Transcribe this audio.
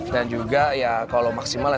dan juga ya kalau maksimalnya